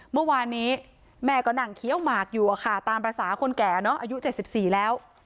เมื่อวานนี้แม่ก็นั่งเคี้ยวหมากอยู่อะค่ะตามภาษาคนแก่เนอะอายุ๗๔แล้ว